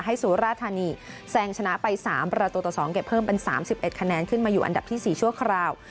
สุราธานีแซงชนะไป๓ประตูต่อ๒เก็บเพิ่มเป็น๓๑คะแนนขึ้นมาอยู่อันดับที่๔ชั่วคราว